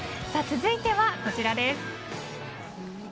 続いてはこちらです。